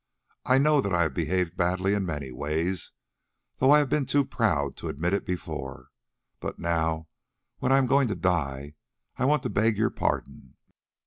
I know that I have behaved badly in many ways, though I have been too proud to admit it before. But now, when I am going to die, I want to beg your pardon.